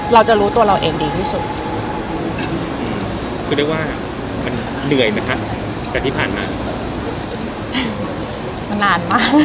เราจะรู้ตัวเราเองดีที่สุด